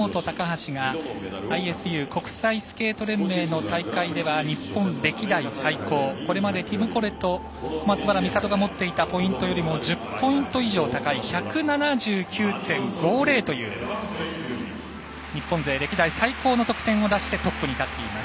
村元、高橋がＩＳＵ＝国際スケート連盟の大会では日本歴代最高これまでティム・コレト小松原美里が持っていたポイントよりも１０ポイント以上高い１７９．５０という日本勢歴代最高の得点を出してトップに立っています。